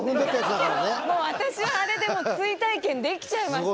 だけどもう私はあれで追体験できちゃいましたから。